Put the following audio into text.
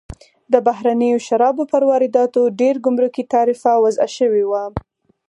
د بهرنیو شرابو پر وارداتو ډېر ګمرکي تعرفه وضع شوې وه.